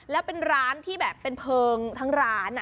แล้วเป็นร้านที่แบบเป็นเพลิงทั้งร้าน